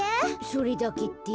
それだけって？